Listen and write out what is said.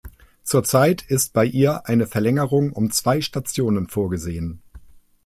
Zurzeit ist bei ihr eine Verlängerung um zwei Stationen vorgesehen.